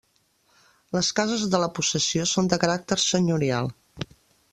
Les cases de la possessió són de caràcter senyorial.